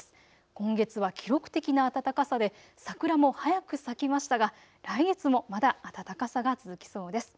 今月は記録的な暖かさで桜も早く咲きましたが、来月もまだ暖かさが続きそうです。